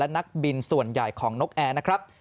นักบินส่วนใหญ่ของนกแอร์นะครับ